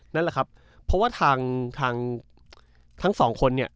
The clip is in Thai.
นั่นแหละครับเพราะว่าทางทั้งสองคนเนี่ย